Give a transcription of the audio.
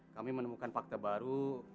kami menemukan fakta baru